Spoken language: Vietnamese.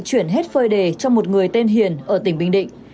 chuyển hết phơi đề cho một người tên hiền ở tỉnh bình định